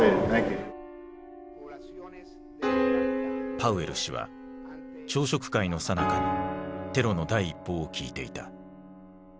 パウエル氏は朝食会のさなかにテロの第一報を聞いていた。